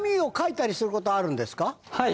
はい。